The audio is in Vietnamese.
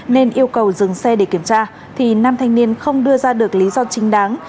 nên yêu cầu dừng xe để kiểm tra thì nam thanh niên không đưa ra được lý do chính đáng